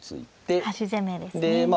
端攻めですね。